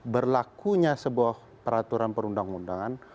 berlakunya sebuah peraturan perundang undangan